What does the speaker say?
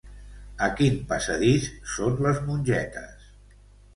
A quin passadís són les mongetes?